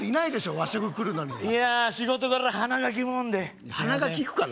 和食来るのにいやあ仕事柄鼻がきくもんで鼻がきくから？